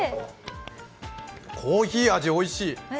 コーヒー味、おいしい！